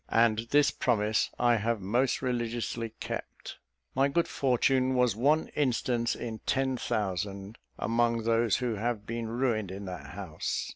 And this promise I have most religiously kept. My good fortune was one instance in ten thousand, among those who have been ruined in that house.